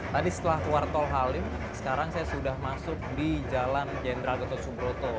tadi setelah keluar tol halim sekarang saya sudah masuk di jalan jenderal gatot subroto